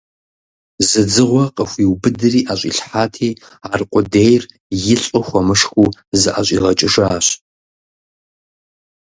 Зэ зы дзыгъуэ къыхуиубыдри ӀэщӀилъхьати, аркъудейр, илӀу хуэмышхыу, зыӀэщӀигъэкӀыжащ!